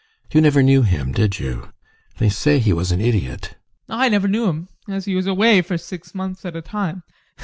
You never knew him, did you? They say he was an idiot. ADOLPH. I never knew him, as he was away for six months at a time.